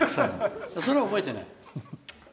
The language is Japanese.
それは覚えてない。